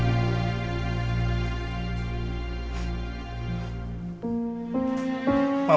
saya sudah selesai